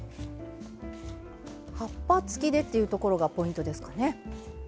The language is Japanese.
葉っぱ付きでというところがポイントですかね？